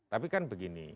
tapi kan begini